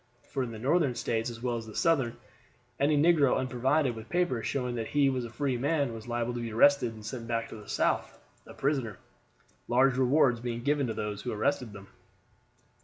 For in the Northern States as well as the Southern any negro unprovided with papers showing that he was a free man was liable to be arrested and sent back to the South a prisoner, large rewards being given to those who arrested them.